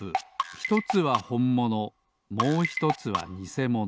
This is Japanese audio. ひとつはほんものもうひとつはにせもの。